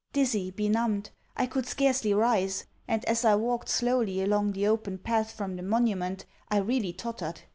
Dizzy, benumbed, I could scarcely rise; and, as I walked slowly along the open path from the monument, I really tottered.